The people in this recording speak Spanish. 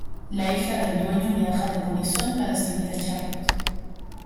La hija del dueño viaja de polizón para seguir a Charlot.